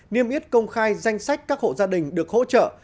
niêm yết công khai danh sách các hộ gia đình được hỗ trợ